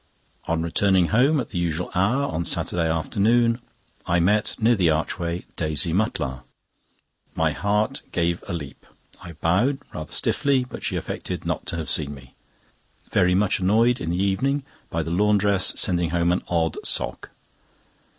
On returning home at the usual hour on Saturday afternoon I met near the Archway Daisy Mutlar. My heart gave a leap. I bowed rather stiffly, but she affected not to have seen me. Very much annoyed in the evening by the laundress sending home an odd sock.